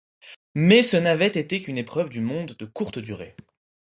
Mais ce n'avait été qu'une épreuve du monde de courte durée.